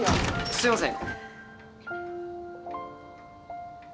すいません。